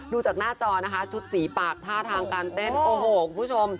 ดูจากหน้าจอนะคะชุดสีปากท่าทางการเต้นโอ้โหคุณผู้ชม